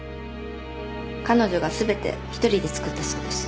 彼女が全て一人で作ったそうです。